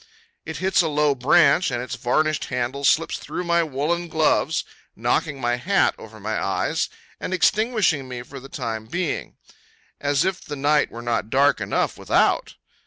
It hits a low branch, and its varnished handle slips through my woollen gloves, knocking my hat over my eyes, and extinguishing me for the time being. As if the night were not dark enough without!